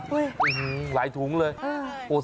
อุ๊ยอื้อฮือหลายถุงเลยโอ๊ย